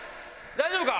大丈夫か？